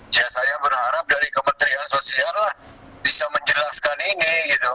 ya saya berharap dari kementerian sosial bisa menjelaskan ini